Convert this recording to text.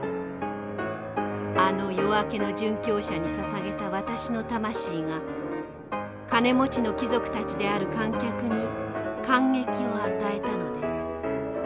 あの夜明けの殉教者にささげた私の魂が金持ちの貴族たちである観客に感激を与えたのです。